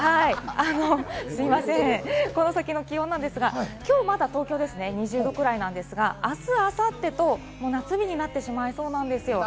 すみません、この先の気温なんですが、今日まだ東京２０度くらいなんですが、明日、明後日と夏日になってしまいそうなんです。